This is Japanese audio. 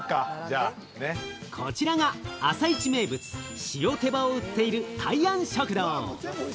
こちらが朝市名物・しおてばを売っている大安食堂。